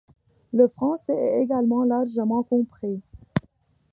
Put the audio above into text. Le français est également largement compris.